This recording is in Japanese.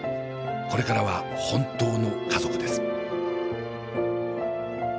これからは本当の家族です。